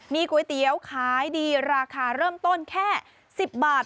มีก๋วยเตี๋ยวขายดีราคาเริ่มต้นแค่๑๐บาท